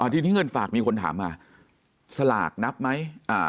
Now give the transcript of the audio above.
ทีนี้เงินฝากมีคนถามมาสลากนับไหม